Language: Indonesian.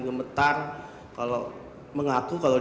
sudah menangani hanya